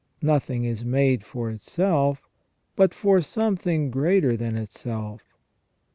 Nothing is made for itself, but for something greater than itself.